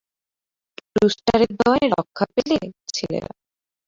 রুস্টারের দয়ায় রক্ষা পেলে, ছেলেরা।